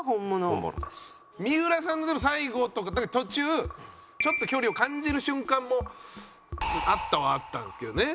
三浦さんのでも最後とか途中ちょっと距離を感じる瞬間もあったはあったんですけどね。